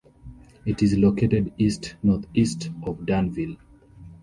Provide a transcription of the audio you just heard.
It is located east-northeast of Danville.